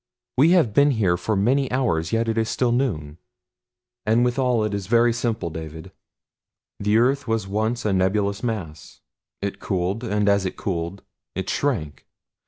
We have been here for many hours yet it is still noon. "And withal it is very simple, David. The earth was once a nebulous mass. It cooled, and as it cooled it shrank.